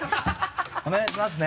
お願いしますね。